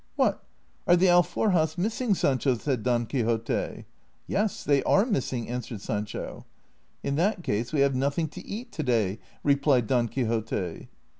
"What! are the alforjas missing, . Sancho '.'" said Don Quixote. " Yes, they are missing," answered Sancho. " In that case we have nothing to eat to day/' replied Don Quixote.